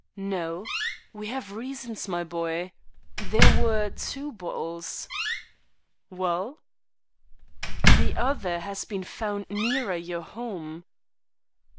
"No; we have reasons, my boy. There were two bottles." "Well?" "The other has been found nearer your home."